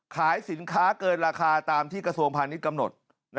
ขายสินค้าเกินราคาตามที่กระทรวงพาณิชย์กำหนด